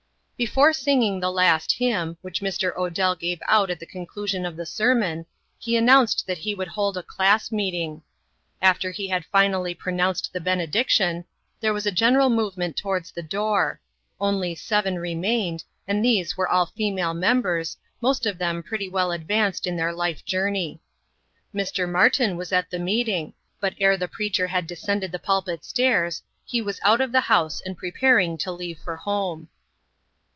Before singing the last hymn, which Mr. Odell gave out at the conclusion of the sermon, he announced that he would hold a class meeting. After he had finally pronounced the benediction, there was a general movement towards the door; only seven remained, and these were all female members, most of them pretty well advanced in their life journey. Mr. Martin was at the meeting, but ere the preacher had descended the pulpit stairs, he was out of the house and preparing to leave for home.